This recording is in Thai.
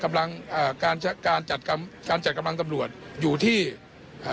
อ่าการการจัดการการจัดกำลังตำรวจอยู่ที่อ่า